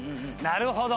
なるほど。